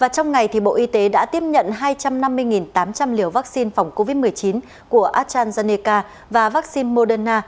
trong ngày bộ y tế đã tiếp nhận hai trăm năm mươi tám trăm linh liều vaccine phòng covid một mươi chín của astrazeneca và vaccine moderna